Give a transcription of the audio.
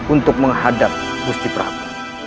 untuk menghadap gusti prabu